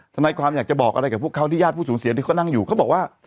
ทนายความอยากจะบอกอะไรกับพวกเขาที่ญาติผู้สูญเสียที่เขานั่งอยู่เขาบอกว่า